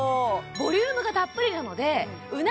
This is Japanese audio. ボリュームがたっぷりなのでう